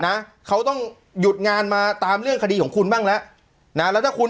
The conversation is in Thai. นะเขาต้องหยุดงานมาตามเรื่องคดีของคุณบ้างแล้วนะแล้วถ้าคุณ